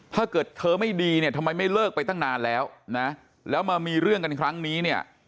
ถ้าเกิดเธอไม่ดีเนี่ยทำไมไม่เลิกไปตั้งนานแล้วนะแล้วมามีเรื่องกันครั้งนี้เนี่ย